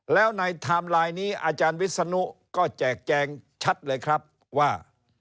แล้วในไทม์ไลน์นี้อาจารย์วิศนุก็แจกแจงชัดเลยครับว่า